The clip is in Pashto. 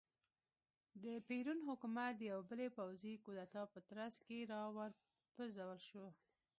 د پېرون حکومت د یوې بلې پوځي کودتا په ترڅ کې را وپرځول شو.